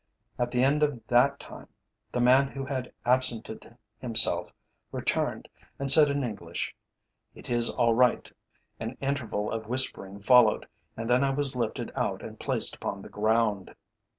At the end of that time the man who had absented himself returned and said in English, "It is all right." An interval of whispering followed, and then I was lifted out and placed upon the ground.